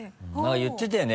言ってたよね